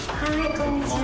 こんにちは。